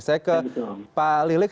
saya ke pak lilik